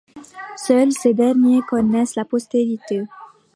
Seules ces dernières connaissent la postérité.